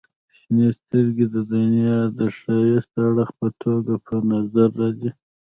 • شنې سترګې د دنیا د ښایسته اړخ په توګه په نظر راځي.